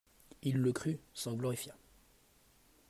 Il le crut, s'en glorifia.